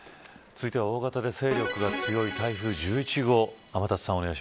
続いては大型で勢力が強い台風１１号。